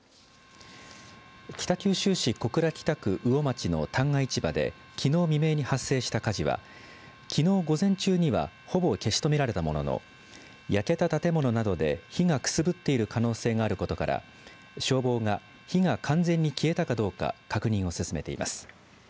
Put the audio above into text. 北九州市小倉北区魚町の旦過市場できのう未明に発生した火事はきのう午前中にはほぼ消し止められたものの焼けた建物などで火がくすぶっている可能性があることから消防が火が完全に消えたかどうか確認を進めています。